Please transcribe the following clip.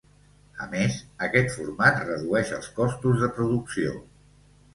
A més, aquest format redueix els costos de producció.